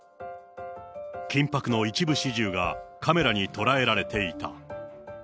緊迫の一部始終が、カメラに捉えられていた。